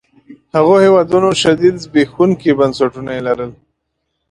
هغو هېوادونو شدید زبېښونکي بنسټونه يې لرل.